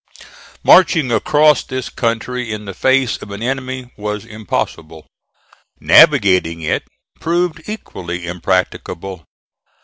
Marching across this country in the face of an enemy was impossible; navigating it proved equally impracticable.